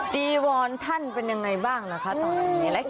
จีวอนท่านเป็นยังไงบ้างนะคะตอนนี้